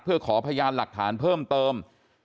เพื่อขอพยานหลักฐานเพิ่มเติม